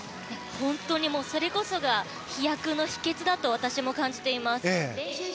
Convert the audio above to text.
本当にそれこそが飛躍の秘訣だと私も感じています。